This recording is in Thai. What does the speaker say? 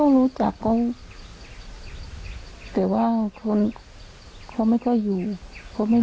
หรือแกบอกว่า